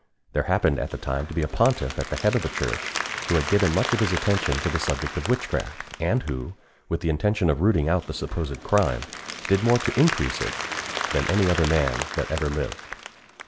There happened at that time to be a pontiff at the head of the Church who had given much of his attention to the subject of witchcraft, and who, with the intention of rooting out the supposed crime, did more to increase it than any other man that ever lived.